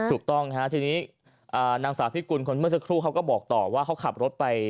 ถูกต้องฮะทีนี้นางสาวพิกุลคนเมื่อสักครู่เขาก็บอกต่อว่าเขาขับรถไป